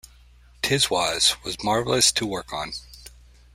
"Tiswas" was marvellous to work on.